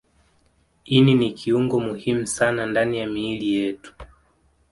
Ini ni kiungo muhimu sana ndani ya miili yetu